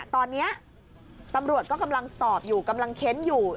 ตอนนี้ตำรวจก็กำลังสอบอยู่กำลังเค้นอยู่